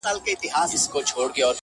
د انسانانو جهالت له موجه، اوج ته تللی